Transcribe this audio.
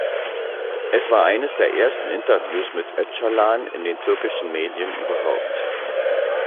Es war eines der ersten Interviews mit Öcalan in den türkischen Medien überhaupt.